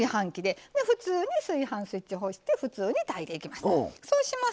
普通に炊飯スイッチを押して普通に炊いていきます。